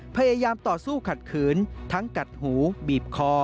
พยายามต่อสู้ขัดขืนทั้งกัดหูบีบคอ